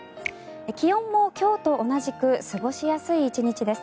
気温も今日と同じく過ごしやすい１日です。